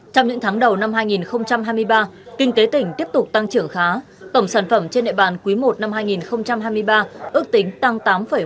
trong những tháng đầu năm hai nghìn hai mươi ba kinh tế tỉnh tiếp tục tăng trưởng khá tổng sản phẩm trên nệ bàn quý i năm hai nghìn hai mươi ba ước tính tăng tám ba mươi